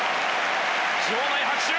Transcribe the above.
場内拍手。